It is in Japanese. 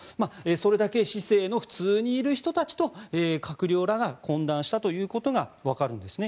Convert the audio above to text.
それだけ市井の普通にいる人たちと閣僚らが懇談したということがわかるんですね。